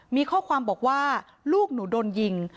มีข้อความบอกว่าลูกหนูโดนยิง